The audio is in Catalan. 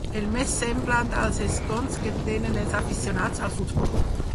El més semblant als escons que tenen els aficionats al futbol.